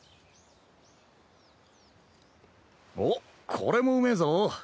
おっこれもうめえぞ。